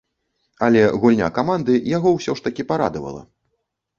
Але гульня каманды яго ўсё ж такі парадавала.